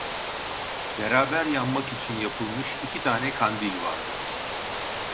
Beraber yanmak için yapılmış iki tane kandil vardı.